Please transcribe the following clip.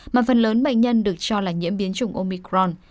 mà phần lớn bệnh nhân được cho là nhiễm biến chủng omicron